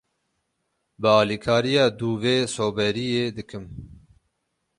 Bi alikariya dûvê soberiyê dikim.